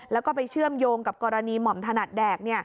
แล้วก็ไปเชื่อมโยงกับกรณีหม่อมถนัดแดก